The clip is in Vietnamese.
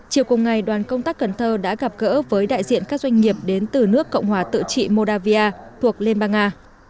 chiều cùng ngày đoàn công tác cần thơ đã gặp gỡ với đại diện các doanh nghiệp đến từ nước cộng hòa tự trị modavia thuộc liên bang nga